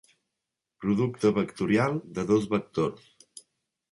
Producte vectorial de dos vectors.